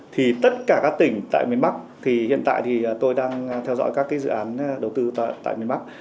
thì tất cả các tỉnh tại miền bắc thì hiện tại thì tôi đang theo dõi các dự án đầu tư tại miền bắc